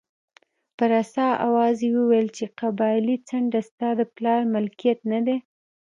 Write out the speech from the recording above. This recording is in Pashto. په رسا اواز یې وویل چې قبایلي څنډه ستا د پلار ملکیت نه دی.